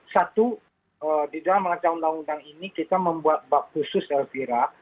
satu di dalam rancang undang undang ini kita membuat bab khusus elvira